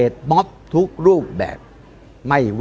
ตอนต่อไป